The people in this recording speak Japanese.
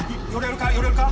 寄れるか？